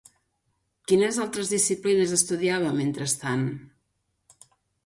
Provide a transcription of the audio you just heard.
Quines altres disciplines estudiava mentrestant?